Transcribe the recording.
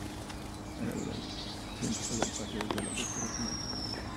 La duración total del paseo es de dos horas y media.